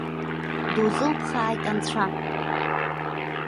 Дузылԥхааит анцәа.